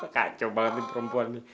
kacau banget nih perempuan nih